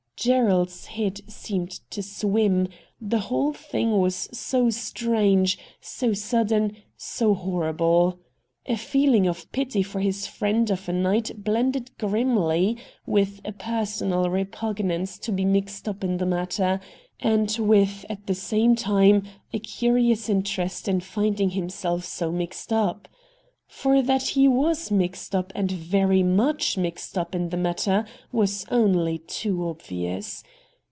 Gerald's head seemed to swim, the whole thing was so strange, so sudden, so horrible. A feeling of pity for his friend of a night blended grimly with a personal repugnance to be mixed up in the matter, and with, at the same time, a curious interest in finding him self so mixed up. For that he was mixed up and very much mixed up in the matter was only too obvious.